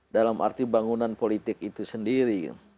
dalam arti bangunan politik itu sendiri